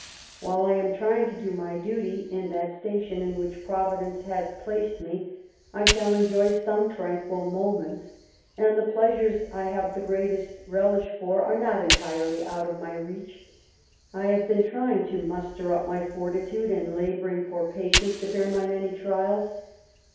While I am trying to do my duty in that station in which Providence has placed me, I shall enjoy some tranquil moments, and the pleasures I have the greatest relish for are not entirely out of my reach. ... I have been trying to muster up my fortitude, and labouring for patience to bear my many trials.